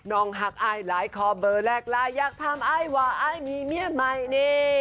น้องหักอายหลายขอเบอร์แรกลายอยากทำไอวะอายมีเมียไหมเน